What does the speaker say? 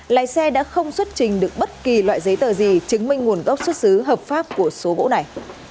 lái xe đã không xuất trình được bất kỳ loại giấy tờ gì chứng minh nguồn gốc xuất xứ hợp pháp của số gỗ này